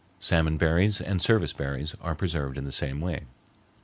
Salmon berries and service berries are preserved in the same way.